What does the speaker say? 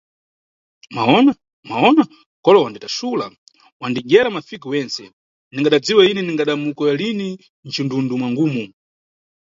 Mwawona, Mwawona, kolo wanditaxula, wadidyera mafigu yentse, ndigadadziwa ine ningada mukoye lini mcindundu mwangumu.